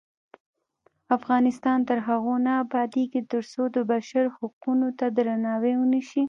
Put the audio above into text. افغانستان تر هغو نه ابادیږي، ترڅو د بشر حقونو ته درناوی ونشي.